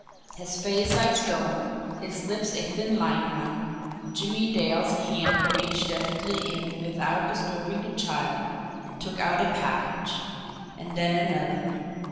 His face like stone, his lips a thin line now, Jimmie Dale's hand reached deftly in without disturbing the child and took out a package and then another.